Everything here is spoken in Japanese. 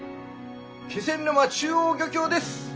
気仙沼中央漁協です。